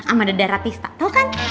amade daratista tau kan